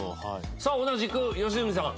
さあ同じく良純さん。